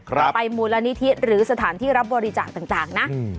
ครับไปมูลนิทิศหรือสถานที่รับบริจาคต่างต่างนะอืม